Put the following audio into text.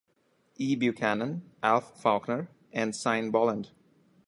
E Buchanan, Alf Faulkner and Sine Boland.